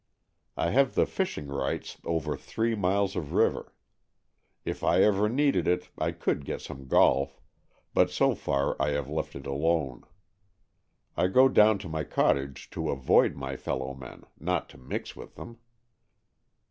I have the fishing rights over three miles of river. If I ever needed it, I could get some golf, but so far I have left it alone. I go down to my cottage to avoid my fellow men, not to mix with them.